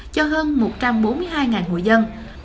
cho hơn một trăm bốn mươi hai người dân